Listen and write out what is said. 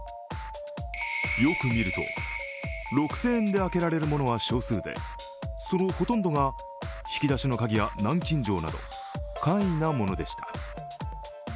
よく見ると、６０００円で開けられるものは少数でそのほとんどが引き出しの鍵や南京錠など、簡易なものでした。